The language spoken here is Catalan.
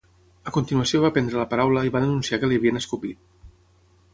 A continuació va prendre la paraula i va denunciar que li havien escopit.